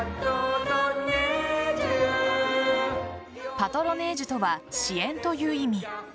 パトロネージュとは支援という意味。